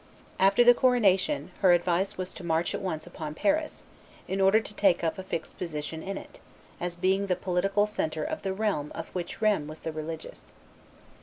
After the coronation, her advice was to march at once upon Paris, in order to take up a fixed position in it, as being the political centre of the realm of which Rheims was the religious.